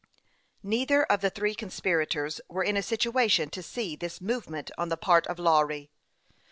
Neither of the three conspirators were in a sit uation to see this movement on the part of Lawry.